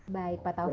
baik pak taufik